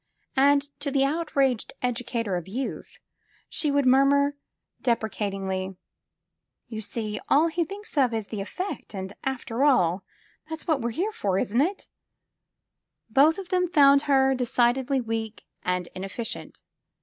While to the outraged educator of youth she would murmur deprecatingly : *'Tou see, all he thinks of is the effect — ^and after all, that's what we're here for, isn't itf" Both of them found her decidedly weak and ineffi cient.